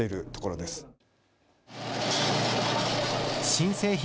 新製品